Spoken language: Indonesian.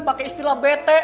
pake istilah bete